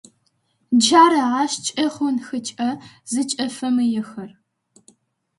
Джары ащ кӏыгъунхэкӏэ зыкӏыфэмыехэр.